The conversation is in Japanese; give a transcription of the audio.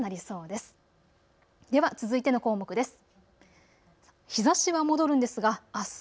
では続いての項目です。